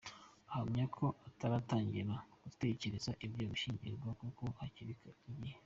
Ahamya ko ataratangira gutekereza ibyo gushyingirwa kuko hakiri igihe.